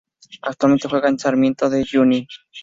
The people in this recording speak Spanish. Actualmente juega en Sarmiento de Junín.